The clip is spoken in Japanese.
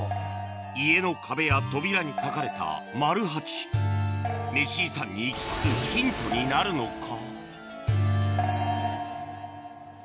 家の壁や扉に描かれたマル八メシ遺産に行き着くヒントになるのか？